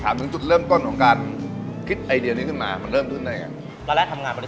ถามถึงจุดเริ่มต้นของการคิดไอเดียวนี้ขึ้นมามันเริ่มต้นไหนครับ